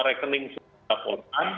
rekening sudah dilaporkan